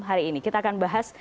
hari ini kita akan bahas